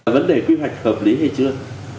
vấn đề quy hoạch hợp lý hay chưa